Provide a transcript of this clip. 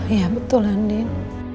iya betul andien